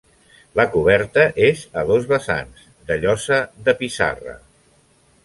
La coberta és a dos vessants, de llosa de pissarra.